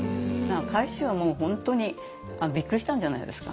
海舟はもう本当にびっくりしたんじゃないですか。